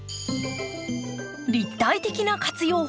立体的な活用法。